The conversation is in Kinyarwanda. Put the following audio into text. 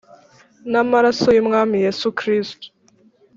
N'amaraso y'Umwami Yesu Kristo.